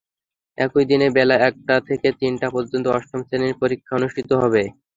একই দিনে বেলা একটা থেকে তিনটা পর্যন্ত অষ্টম শ্রেণির পরীক্ষা অনুষ্ঠিত হবে।